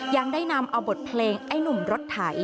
ยังได้นำเอาบทเพลงไอ้หนุ่มรถไถ